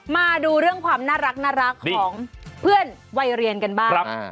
มาดูเรื่องความน่ารักของเพื่อนวัยเรียนกันบ้าง